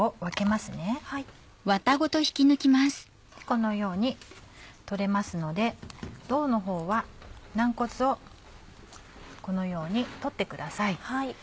このように取れますので胴のほうは軟骨をこのように取ってください。